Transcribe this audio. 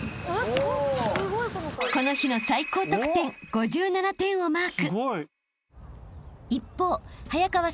［早川選手もこの日の最高得点５７点をマーク］